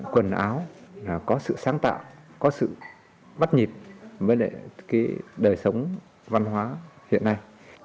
quần áo có sự sáng tạo có sự bắt nhịp với cái đời sống văn hóa hiện nay